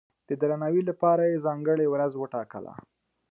د درناوي لپاره یې ځانګړې ورځ وټاکله.